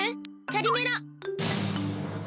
チャリメラ。